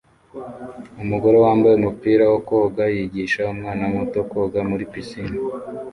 Umugore wambaye umupira wo koga yigisha umwana muto koga muri pisine